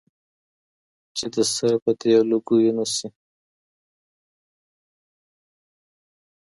چي دي سره په دې لوګيو نه سي